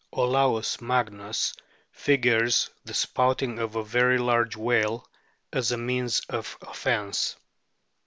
Olaus Magnus figures the spouting of a very large whale as a means of offence.